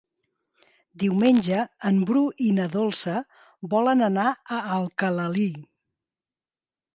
Diumenge en Bru i na Dolça volen anar a Alcalalí.